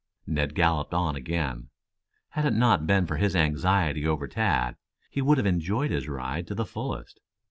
Ned galloped on again. Had it not been for his anxiety over Tad, he would have enjoyed his ride to the fullest.